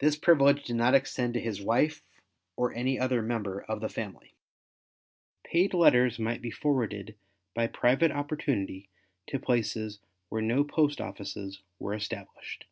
This privilege did not extend to his wife or any other member of the family. Paid letters might be forwarded by private opportunity to places where no post offices were established.